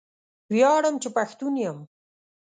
ویاړم چې پښتون یم